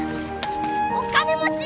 お金持ち！